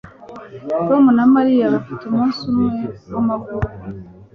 Tom na Mariya bafite umunsi umwe wamavuko